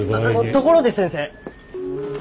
ところで先生